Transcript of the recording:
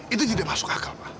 itu tidak masuk akal